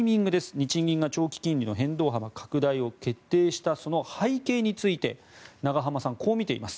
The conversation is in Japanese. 日銀が長期金利の変動幅拡大を決定したその背景について永濱さん、こう見ています。